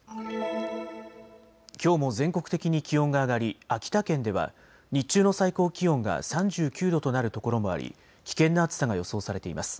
きょうも全国的に気温が上がり秋田県では日中の最高気温が３９度となるところもあり危険な暑さが予想されています。